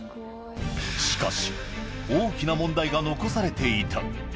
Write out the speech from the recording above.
しかし、大きな問題が残されていた。